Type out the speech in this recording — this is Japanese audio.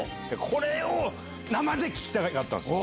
これを生で聴きたかったんですよ。